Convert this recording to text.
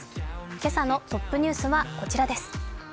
今朝のトップニュースはこちらです。